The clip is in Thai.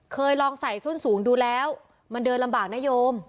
เคยลองใส่ส้นสูงดูแล้วมันเดินลำบากนะโยม